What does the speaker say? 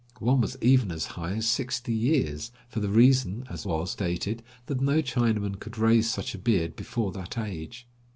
One was even as high as sixty years, for the reason, as was stated, that no Chinaman could raise such a beard before that age.